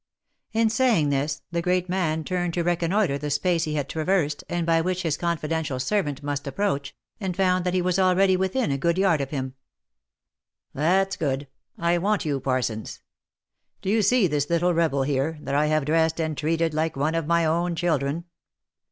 In saying this, the great man turned to reconnoitre the space he had traversed, and by which his confidential servant must approach, and found that he was already within a good yard of hira. " That's good — I want you Parsons. Do you see this little rebel here, that I have dressed and treated like one of my own children